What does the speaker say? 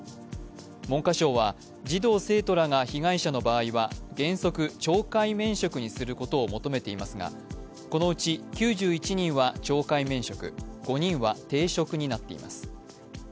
文科省は児童・生徒らが被害者の場合は原則、懲戒免職にすることを求めていますがこのうち９１人は懲戒免職、５人は停職になっています。